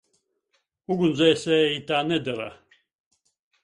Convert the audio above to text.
Ugunsdzēsēji tā nedara.